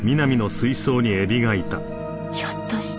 ひょっとして。